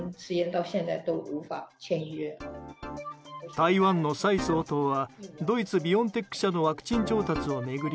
台湾の蔡総統はドイツ・ビオンテック社のワクチン調達を巡り